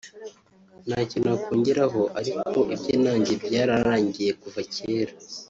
Ntacyo nakongeraho ariko ibye na njye byararangiye kuva kera…